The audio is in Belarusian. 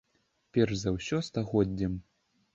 Перш за ўсё, стагоддзем.